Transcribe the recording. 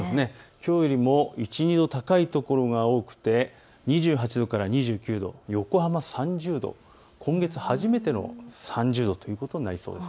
きょうよりも１、２度高いところが多くて２８度から２９度、横浜３０度、今月初めての３０度ということになりそうです。